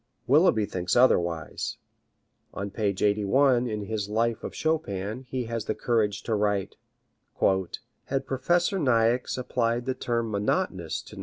Willeby thinks otherwise. On page 81 in his life of Chopin he has the courage to write: "Had Professor Niecks applied the term monotonous to No.